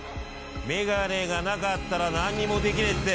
眼鏡がなかったら何にもできねえって。